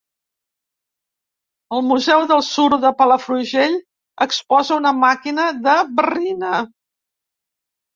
El Museu del Suro de Palafrugell exposa una màquina de barrina.